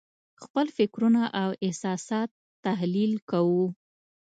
خپل فکرونه او احساسات تحلیل کوو.